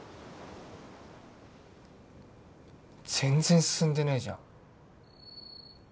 全然進んでないじゃん